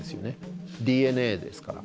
ＤＮＡですから。